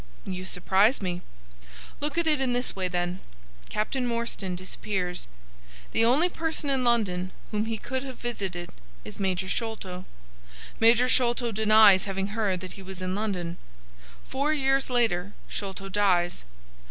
You surprise me. Look at it in this way, then. Captain Morstan disappears. The only person in London whom he could have visited is Major Sholto. Major Sholto denies having heard that he was in London. Four years later Sholto dies.